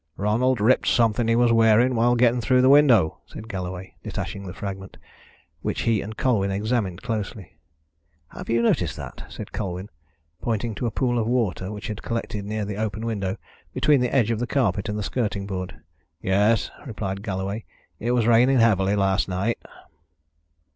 "Ronald ripped something he was wearing while getting through the window," said Galloway, detaching the fragment, which he and Colwyn examined closely. "Have you noticed that?" said Colwyn, pointing to a pool of water which had collected near the open window, between the edge of the carpet and the skirting board. "Yes," replied Galloway. "It was raining heavily last night."